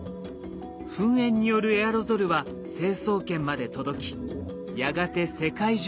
噴煙によるエアロゾルは成層圏まで届きやがて世界中に広がりました。